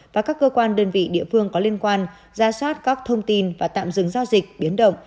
và các cơ quan đơn vị địa phương có liên quan ra soát các thông tin và tạm dừng giao dịch biến động